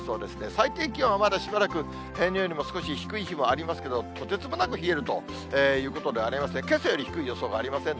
最低気温はまだしばらく、平年よりも少し低い日もありますけれども、とてつもなく冷えるということではありません。